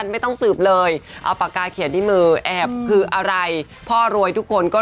ไม่ต้องสืบเลยเอาปากกาเขียนที่มือแอบคืออะไรพ่อรวยทุกคนก็